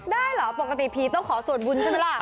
ได้เหรอปกติผีต้องขอส่วนบุญใช่ไหมล่ะ